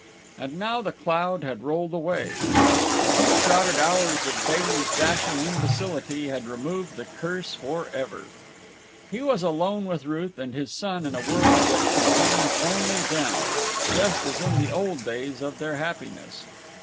And now the cloud had rolled away. A few crowded hours of Bailey's dashing imbecility had removed the curse forever. He was alone with Ruth and his son in a world that contained only them, just as in the old days of their happiness.